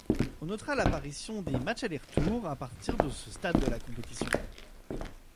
On notera l'apparition des matchs aller-retour à partir de ce stade de la compétition.